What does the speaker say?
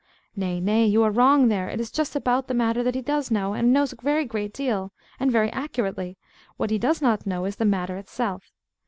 Nay, nay, you are wrong there. It is just "about the matter" that he does know, and knows a great deal, and very accurately; what he does not know is the matter itself.